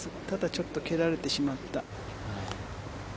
ただ、ちょっと蹴られてしまった。